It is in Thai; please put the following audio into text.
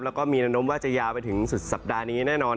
แล้วก็มีแนวโน้มว่าจะยาวไปถึงสุดสัปดาห์นี้แน่นอน